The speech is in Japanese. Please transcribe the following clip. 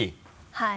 はい。